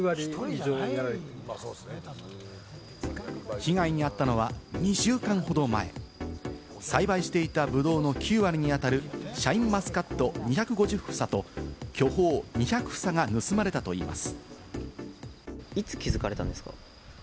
被害に遭ったのは、２週間ほど前、栽培していたブドウの９割にあたるシャインマスカット２５０房と巨峰２００房が盗まれたといいます。